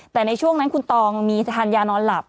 แต่ในช่วงนั้นคุณตองมีทานยานอนหลับ